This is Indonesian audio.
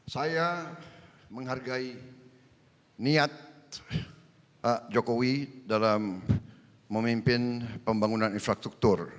saya menghargai niat pak jokowi dalam memimpin pembangunan infrastruktur